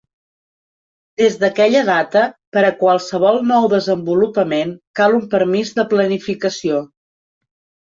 Des d'aquella data, per a qualsevol nou "desenvolupament" cal un permís de planificació.